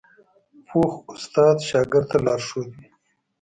پوخ استاد شاګرد ته لارښود وي